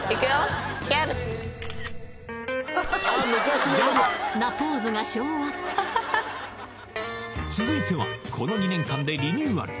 ギャル続いてはこの２年間でリニューアル